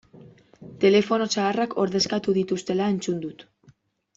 Telefono zaharrak ordezkatu dituztela entzun dut.